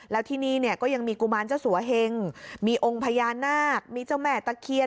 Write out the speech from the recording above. แล้วที่นี่เนี่ยก็ยังมีกุมารเจ้าสัวเฮงมีองค์พญานาคมีเจ้าแม่ตะเคียน